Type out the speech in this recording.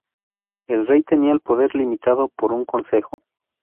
El rey tenía el poder limitado por un Consejo.